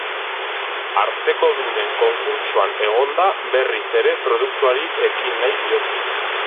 Hartzekodunen konkurtsoan egonda berriz ere produkzioari ekin nahi diote.